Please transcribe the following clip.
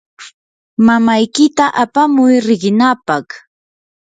mamaykita apamuy riqinaapaq.